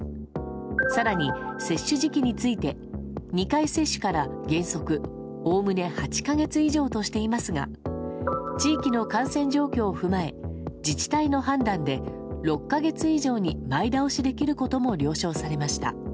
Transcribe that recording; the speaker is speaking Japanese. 更に、接種時期について２回接種から原則おおむね８か月以上としていますが地域の感染状況を踏まえ自治体の判断で６か月以上に前倒しできることも了承されました。